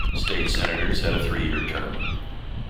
State senators had a three-year term.